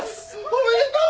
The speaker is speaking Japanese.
おめでとう！